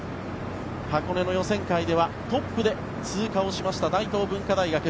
箱根の予選会ではトップで通過した大東文化大学。